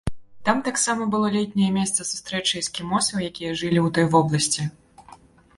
Там таксама было летняе месца сустрэчы эскімосаў, якія жылі ў той вобласці.